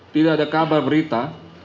tidak ada kabar berita